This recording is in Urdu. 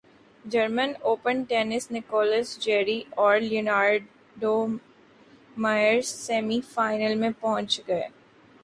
German open tennis Nicolas Jarry اور لینارڈومائیر سیمی فائنل میں پہنچ گئے